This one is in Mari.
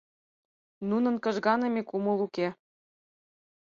Нунын кыжганыме кумыл уке.